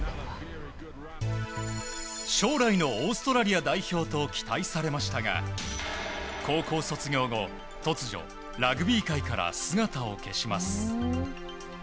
将来のオーストラリア代表と期待されましたが高校卒業後、突如ラグビー界から姿を消します。